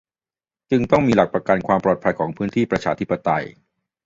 จึงต้องมีหลักประกันความปลอดภัยของพื้นที่ประชาธิปไตย